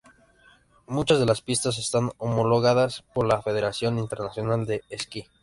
Muchas de las pistas están homologadas por la Federación Internacional de Esquí.